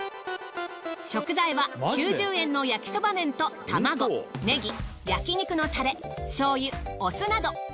食材は９０円の焼きそば麺と卵ネギ焼肉のタレ醤油お酢など。